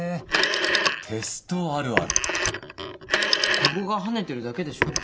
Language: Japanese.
ここがハネてるだけでしょ。